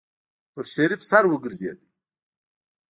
په شريف سر وګرځېده.